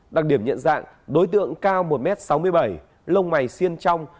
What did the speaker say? đặc điểm nhận dạng đối tượng cao một m sáu mươi bảy lông mày siên trong